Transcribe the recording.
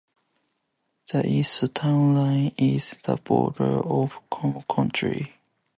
The east town line is the border of Broome County.